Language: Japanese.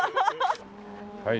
はい。